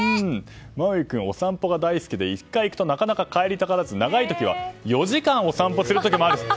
マウイ君はお散歩が大好きで１回行くとなかなか帰りたがらず長い時は４時間お散歩する時もあると。